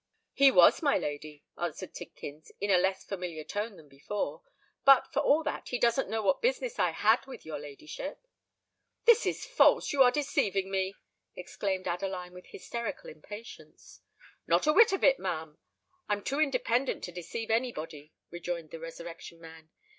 "He was, my lady," answered Tidkins, in a less familiar tone than before: "but, for all that, he doesn't know what business I had with your ladyship." "This is false—you are deceiving me!" exclaimed Adeline, with hysterical impatience. "Not a whit of it, ma'am: I'm too independent to deceive any body," rejoined the Resurrection Man.